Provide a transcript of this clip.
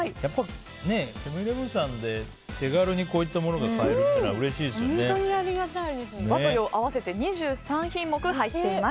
セブン‐イレブンさんで手軽にこういったものが和と洋合わせて２３品目入っています。